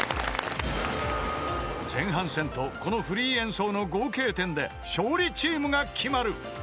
［前半戦とこのフリー演奏の合計点で勝利チームが決まる］